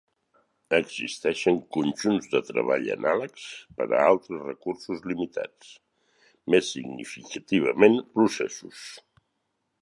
Existeixen conjunts de treball anàlegs per a altres recursos limitats, més significativament processos.